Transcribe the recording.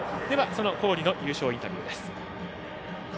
その郡の優勝インタビューです。